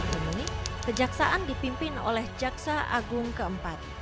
pada masa kembing kembing ini kejaksaan dipimpin oleh jaksa agung keempat